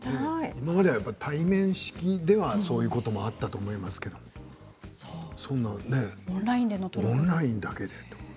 今までは対面式ではそういうこともあったと思いますけどそんなね、オンラインだけで。